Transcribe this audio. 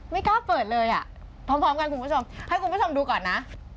ไม่กล้าเปิดเลยอ่ะพร้อมกันคุณผู้ชมให้คุณผู้ชมดูก่อนนะ